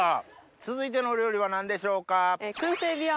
続いてのお料理は何でしょうか？